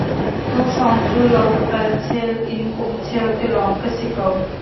Tu hrawng cu lo ka kal chel, inn ka um chel ti lawng ka si ko.